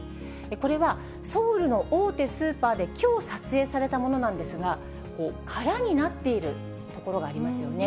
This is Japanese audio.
これは、ソウルの大手スーパーできょう撮影されたものなんですが、空になっているところがありますよね。